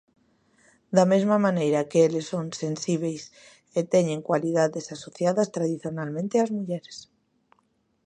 Da mesma maneira que eles son sensíbeis e teñen cualidades asociadas tradicionalmente ás mulleres.